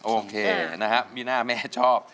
โอเคนะฮะมีหน้าแม่ชอบ